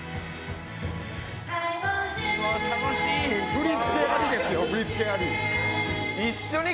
振り付けありですよ振り付けあり。